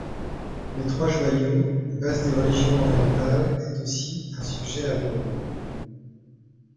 Les Trois Joyaux, base des religions orientales est aussi un sujet abordés.